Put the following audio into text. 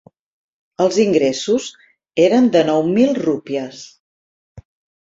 Els ingressos eren de nou mil rúpies.